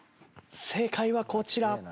正解はこちら。